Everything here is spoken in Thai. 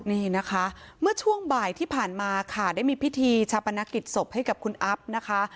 นี่นะคะเมื่อช่วงบ่ายที่ผ่านมาค่ะได้มีพิธีชาปนกิจศพให้กับคุณอัพนะคะ